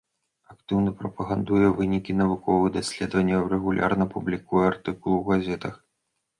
Актыўна прапагандуе вынікі навуковых даследаванняў, рэгулярна публікуе артыкулы ў газетах.